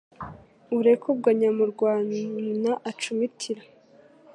Ureke ubwo Nyamurwana acumitira